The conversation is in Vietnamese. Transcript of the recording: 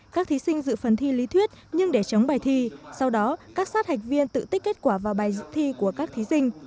các thí sinh dự phần thi lý thuyết nhưng để chống bài thi sau đó các sát hạch viên tự tích kết quả vào bài dự thi của các thí sinh